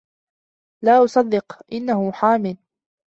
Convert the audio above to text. لا أصدق أنه محام.